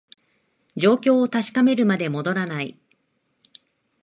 状況を確かめるまで戻らない